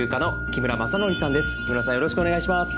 木村さんよろしくお願いします。